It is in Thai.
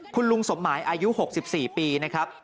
คุณลุงสมหมายอายุ๖๔ปีนะครับ